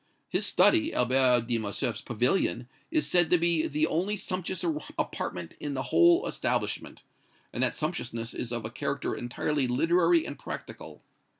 His study, Albert de Morcerf's pavilion, is said to be the only sumptuous apartment in the whole establishment; and that sumptuousness is of a character entirely literary and practical.